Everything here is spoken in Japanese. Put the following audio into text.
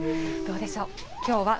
どうでしょう。